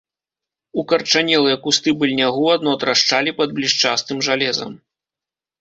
Укарчанелыя кусты быльнягу адно трашчалі пад блішчастым жалезам.